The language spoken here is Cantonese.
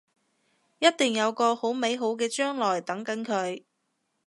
一定有個好美好嘅將來等緊佢